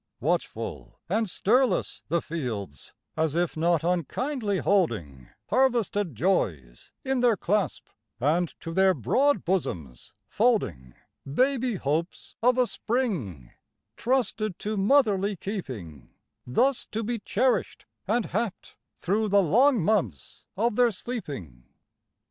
Watchful and stirless the fields as if not unkindly hold ing Harvested joys in their clasp, and to their broad bos oms folding Baby hopes of a Spring, trusted to motherly keeping, Thus to be cherished and happed through the long months of their sleeping.